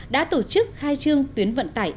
đã tổ chức khai trương tuyến vận tải